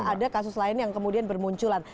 ada kasus lain yang kemudian bermunculan